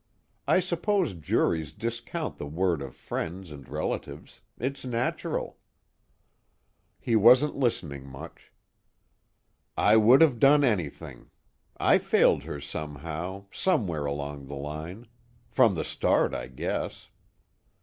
I suppose juries discount the word of friends and relatives; it's natural." He wasn't listening much. "I would have done anything. I failed her somehow, somewhere along the line. From the start, I guess."